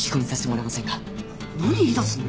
何言いだすの？